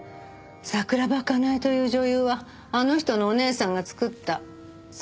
桜庭かなえという女優はあの人のお姉さんが作った作品なの。